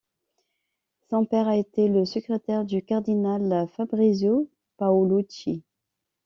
Son père a été le secrétaire du cardinal Fabrizio Paolucci.